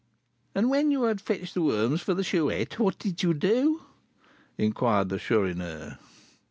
"And when you had fetched the worms for the Chouette, what did you do?" inquired the Chourineur.